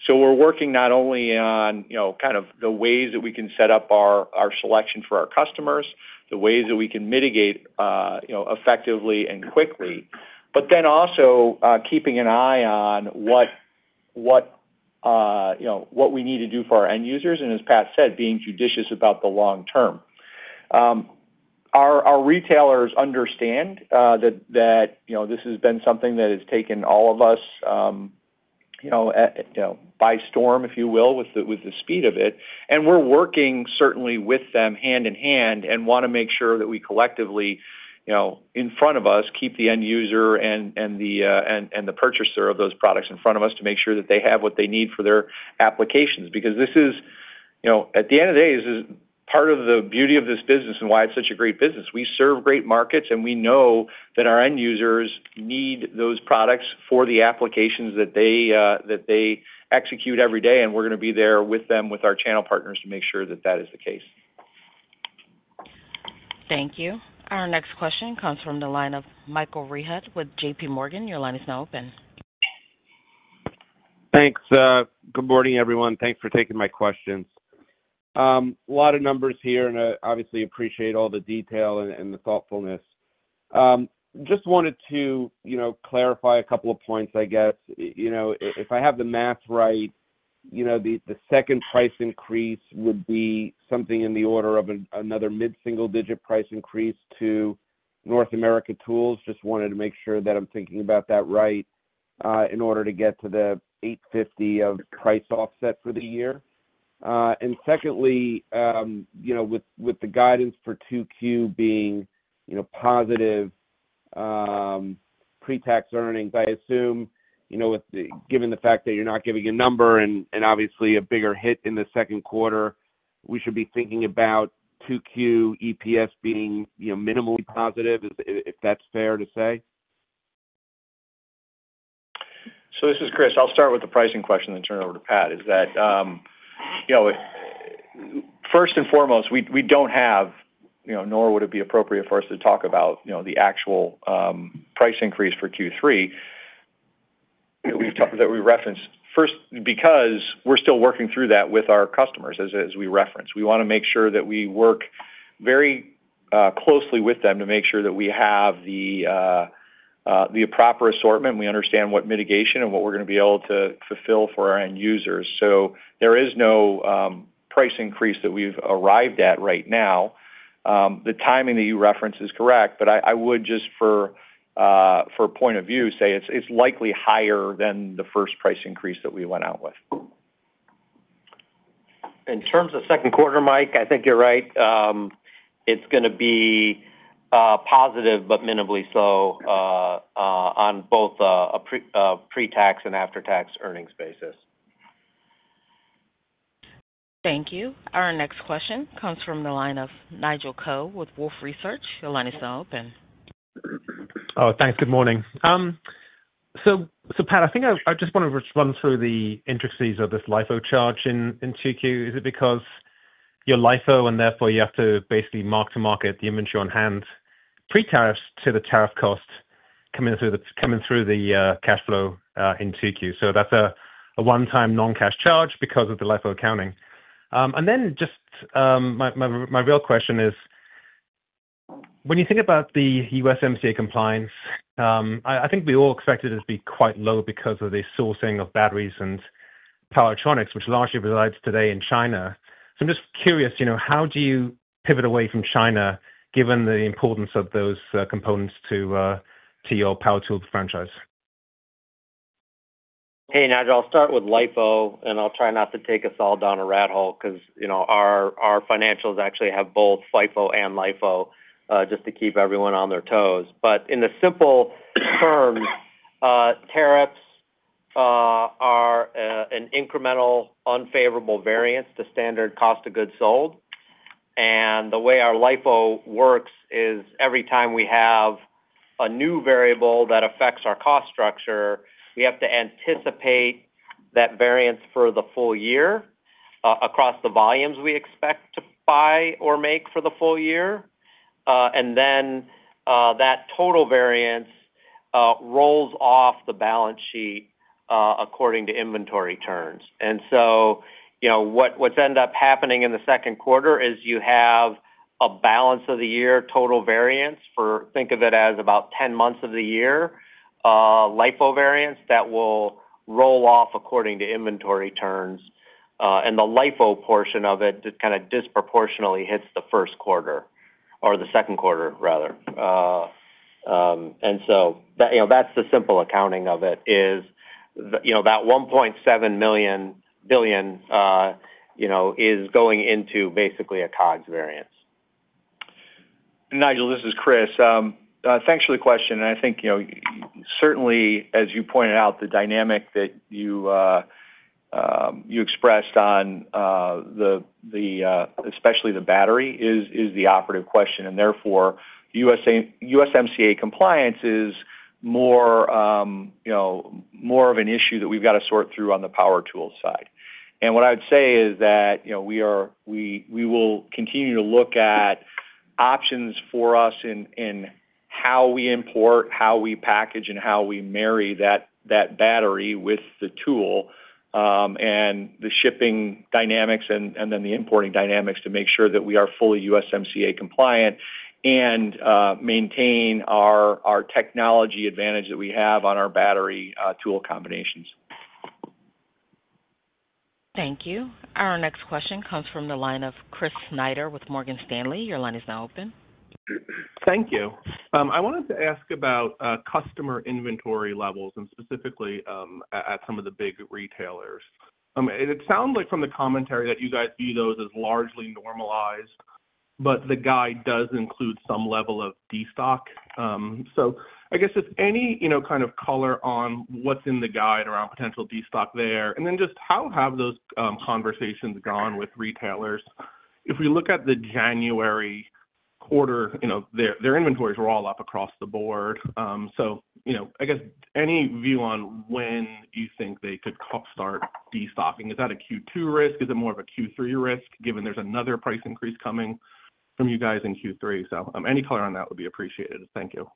We are working not only on the ways that we can set up our selection for our customers, the ways that we can mitigate effectively and quickly, but then also keeping an eye on what we need to do for our end users. As Pat said, being judicious about the long term. Our retailers understand that this has been something that has taken all of us by storm, if you will, with the speed of it. We are working certainly with them hand in hand and want to make sure that we collectively, in front of us, keep the end user and the purchaser of those products in front of us to make sure that they have what they need for their applications. Because at the end of the day, this is part of the beauty of this business and why it is such a great business. We serve great markets, and we know that our end users need those products for the applications that they execute every day. We are going to be there with them, with our channel partners, to make sure that that is the case. Thank you. Our next question comes from the line of Michael Rehaut with JPMorgan. Your line is now open. Thanks. Good morning, everyone. Thanks for taking my questions. A lot of numbers here, and I obviously appreciate all the detail and the thoughtfulness. Just wanted to clarify a couple of points, I guess. If I have the math right, the second price increase would be something in the order of another mid-single-digit price increase to North America Tools. Just wanted to make sure that I'm thinking about that right in order to get to the $850 of price offset for the year. Secondly, with the guidance for 2Q being positive pre-tax earnings, I assume given the fact that you're not giving a number and obviously a bigger hit in the second quarter, we should be thinking about 2Q EPS being minimally positive, if that's fair to say. This is Chris. I'll start with the pricing question and turn it over to Pat. First and foremost, we do not have, nor would it be appropriate for us to talk about the actual price increase for Q3 that we referenced first because we are still working through that with our customers, as we referenced. We want to make sure that we work very closely with them to make sure that we have the proper assortment, we understand what mitigation, and what we are going to be able to fulfill for our end users. There is no price increase that we have arrived at right now. The timing that you reference is correct, but I would just, for a point of view, say it is likely higher than the first price increase that we went out with. In terms of second quarter, Mike, I think you are right. It is going to be positive, but minimally so on both a pre-tax and after-tax earnings basis. Thank you. Our next question comes from the line of Nigel Coe with Wolfe Research. Your line is now open. Oh, thanks. Good morning. Pat, I think I just want to run through the intricacies of this LIFO charge in 2Q. Is it because you're LIFO and therefore you have to basically mark to market the inventory on hand pre-tax to the tariff cost coming through the cash flow in 2Q? That's a one-time non-cash charge because of the LIFO accounting. Just my real question is, when you think about the USMCA compliance, I think we all expected it to be quite low because of the sourcing of batteries and power electronics, which largely resides today in China. I'm just curious, how do you pivot away from China given the importance of those components to your power tool franchise? Hey, Nigel, I'll start with LIFO, and I'll try not to take us all down a rat hole because our financials actually have both LIFO and FIFO just to keep everyone on their toes. In simple terms, tariffs are an incremental unfavorable variance to standard cost of goods sold. The way our LIFO works is every time we have a new variable that affects our cost structure, we have to anticipate that variance for the full year across the volumes we expect to buy or make for the full year. That total variance rolls off the balance sheet according to inventory turns. What's ended up happening in the second quarter is you have a balance of the year total variance for, think of it as about 10 months of the year, LIFO variance that will roll off according to inventory turns. The LIFO portion of it just kind of disproportionately hits the first quarter or the second quarter, rather. That is the simple accounting of it, is that $1.7 billion is going into basically a COGS variance. Nigel, this is Chris. Thanks for the question. I think certainly, as you pointed out, the dynamic that you expressed on especially the battery is the operative question. Therefore, USMCA compliance is more of an issue that we have to sort through on the power tool side. What I would say is that we will continue to look at options for us in how we import, how we package, and how we marry that battery with the tool and the shipping dynamics and then the importing dynamics to make sure that we are fully USMCA compliant and maintain our technology advantage that we have on our battery tool combinations. Thank you. Our next question comes from the line of Chris Snyder with Morgan Stanley. Your line is now open. Thank you. I wanted to ask about customer inventory levels and specifically at some of the big retailers. It sounds like from the commentary that you guys view those as largely normalized, but the guide does include some level of destock. I guess just any kind of color on what's in the guide around potential destock there. Then just how have those conversations gone with retailers? If we look at the January quarter, their inventories were all up across the board. I guess any view on when you think they could start destocking? Is that a Q2 risk? Is it more of a Q3 risk given there's another price increase coming from you guys in Q3? Any color on that would be appreciated. Thank you.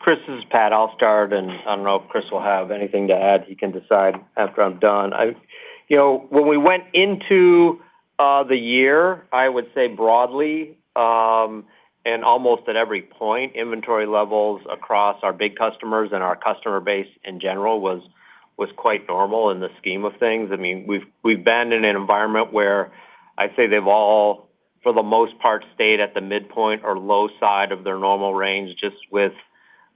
Chris, this is Pat. I'll start. I don't know if Chris will have anything to add. He can decide after I'm done. When we went into the year, I would say broadly and almost at every point, inventory levels across our big customers and our customer base in general was quite normal in the scheme of things. I mean, we've been in an environment where I'd say they've all, for the most part, stayed at the midpoint or low side of their normal range just with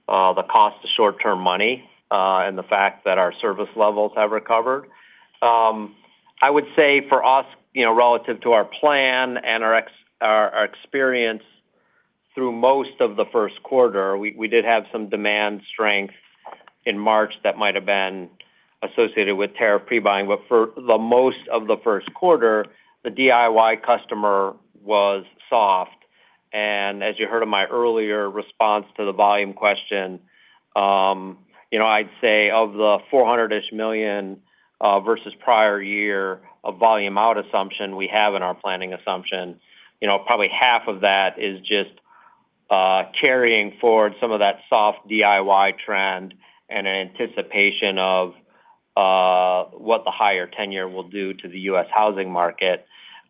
the cost of short-term money and the fact that our service levels have recovered. I would say for us, relative to our plan and our experience through most of the first quarter, we did have some demand strength in March that might have been associated with tariff pre-buying. For most of the first quarter, the DIY customer was soft. As you heard in my earlier response to the volume question, I'd say of the $400 million-ish versus prior year of volume out assumption we have in our planning assumption, probably half of that is just carrying forward some of that soft DIY trend and anticipation of what the higher 10-year will do to the U.S. housing market.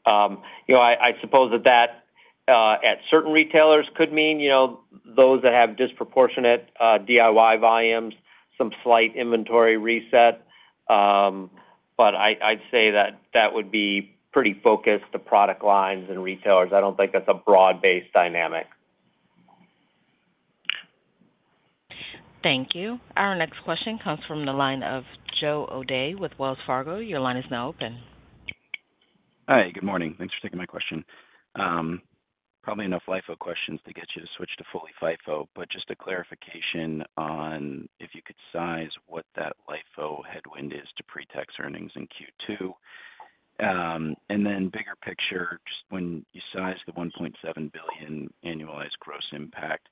I suppose that at certain retailers could mean those that have disproportionate DIY volumes, some slight inventory reset. I'd say that would be pretty focused, the product lines and retailers. I don't think that's a broad-based dynamic. Thank you. Our next question comes from the line of Joe O'Dea with Wells Fargo. Your line is now open. Hi. Good morning. Thanks for taking my question. Probably enough LIFO questions to get you to switch to fully FIFO. Just a clarification on if you could size what that LIFO headwind is to pre-tax earnings in Q2. Bigger picture, when you size the $1.7 billion annualized gross impact,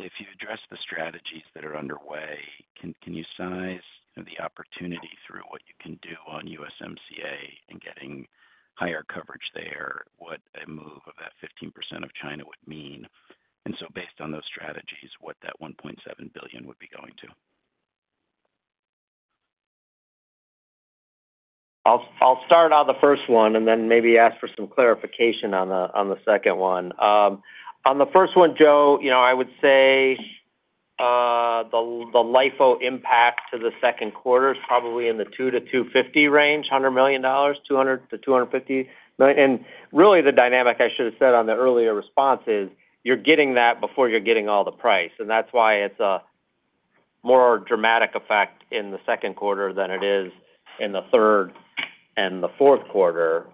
if you address the strategies that are underway, can you size the opportunity through what you can do on USMCA and getting higher coverage there, what a move of that 15% of China would mean? Based on those strategies, what that $1.7 billion would be going to? I'll start on the first one and then maybe ask for some clarification on the second one. On the first one, Joe, I would say the LIFO impact to the second quarter is probably in the $200 million-$250 million range. Really, the dynamic, I should have said on the earlier response, is you're getting that before you're getting all the price. That is why it is a more dramatic effect in the second quarter than it is in the third and the fourth quarter.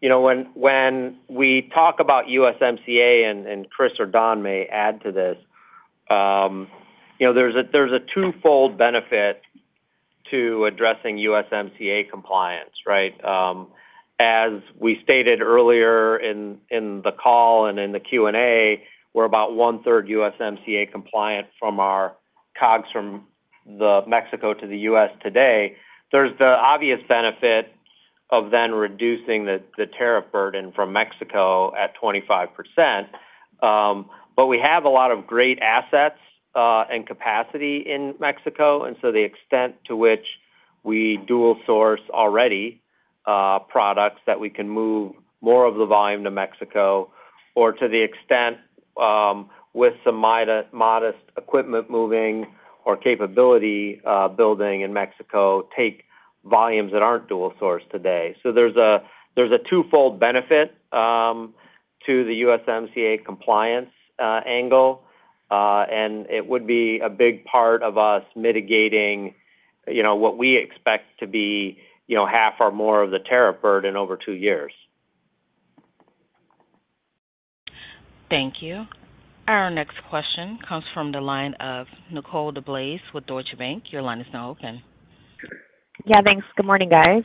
When we talk about USMCA and Chris or Don may add to this, there is a twofold benefit to addressing USMCA compliance, right? As we stated earlier in the call and in the Q&A, we are about one-third USMCA compliant from our COGS from Mexico to the U.S. today. There is the obvious benefit of then reducing the tariff burden from Mexico at 25%. We have a lot of great assets and capacity in Mexico. To the extent to which we dual-source already products that we can move more of the volume to Mexico, or to the extent with some modest equipment moving or capability building in Mexico, take volumes that are not dual-sourced today. There is a twofold benefit to the USMCA compliance angle. It would be a big part of us mitigating what we expect to be half or more of the tariff burden over two years. Thank you. Our next question comes from the line of Nicole DeBlase with Deutsche Bank. Your line is now open. Yeah. Thanks. Good morning, guys.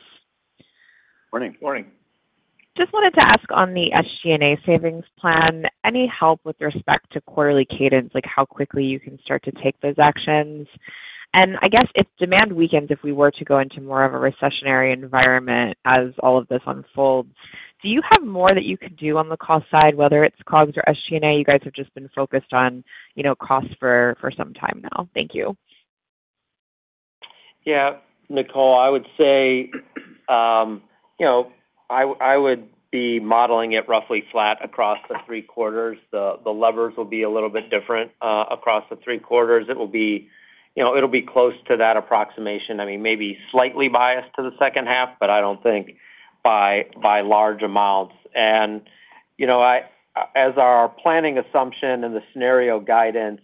Morning. Morning. Just wanted to ask on the SG&A savings plan, any help with respect to quarterly cadence, like how quickly you can start to take those actions? I guess if demand weakens, if we were to go into more of a recessionary environment as all of this unfolds, do you have more that you could do on the cost side, whether it's COGS or SG&A? You guys have just been focused on cost for some time now. Thank you. Yeah. Nicole, I would say I would be modeling it roughly flat across the three quarters. The levers will be a little bit different across the three quarters. It will be close to that approximation. I mean, maybe slightly biased to the second half, but I do not think by large amounts. As our planning assumption and the scenario guidance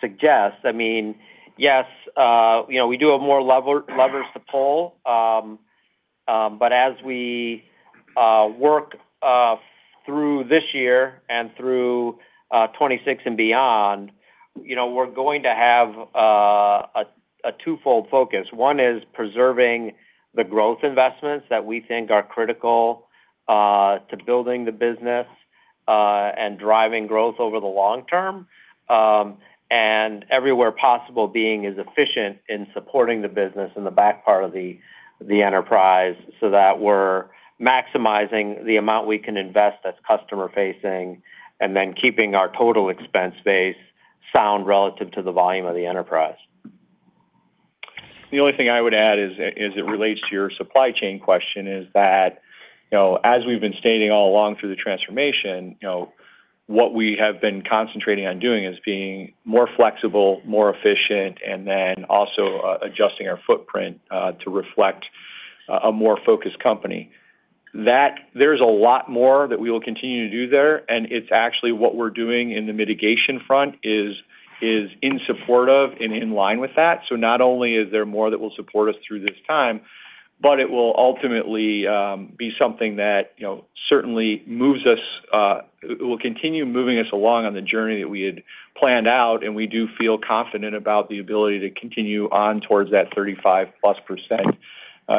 suggests, I mean, yes, we do have more levers to pull. As we work through this year and through 2026 and beyond, we are going to have a twofold focus. One is preserving the growth investments that we think are critical to building the business and driving growth over the long term. Everywhere possible being as efficient in supporting the business in the back part of the enterprise so that we are maximizing the amount we can invest that is customer-facing and then keeping our total expense base sound relative to the volume of the enterprise. The only thing I would add as it relates to your supply chain question is that as we've been stating all along through the transformation, what we have been concentrating on doing is being more flexible, more efficient, and then also adjusting our footprint to reflect a more focused company. There is a lot more that we will continue to do there. It is actually what we are doing in the mitigation front is in support of and in line with that. Not only is there more that will support us through this time, but it will ultimately be something that certainly moves us, it will continue moving us along on the journey that we had planned out. We do feel confident about the ability to continue on towards that 35+%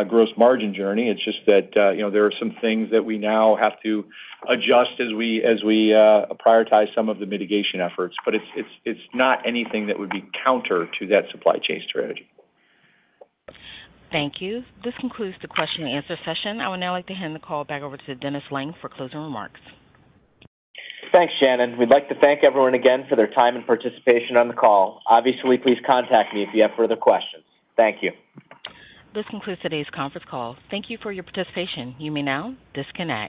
gross margin journey. It's just that there are some things that we now have to adjust as we prioritize some of the mitigation efforts. It is not anything that would be counter to that supply chain strategy. Thank you. This concludes the question-and-answer session. I would now like to hand the call back over to Dennis Lange for closing remarks. Thanks, Shannon. We would like to thank everyone again for their time and participation on the call. Obviously, please contact me if you have further questions. Thank you. This concludes today's conference call. Thank you for your participation. You may now disconnect.